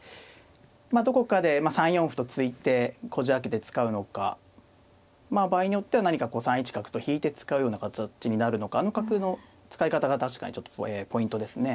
まあどこかで３四歩と突いてこじあけて使うのか場合によっては何かこう３一角と引いて使うような形になるのかあの角の使い方が確かにちょっとポイントですね。